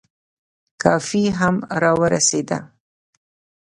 کافي هم را ورسېده.